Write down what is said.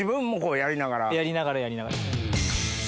やりながらやりながら。